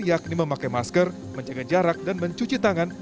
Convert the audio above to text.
yakni memakai masker menjaga jarak dan mencuci tangan